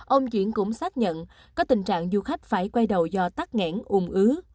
ông chuyển cũng xác nhận có tình trạng du khách phải quay đầu do tắt nghẽn ùm ứ